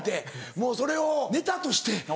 もうそれをネタとして。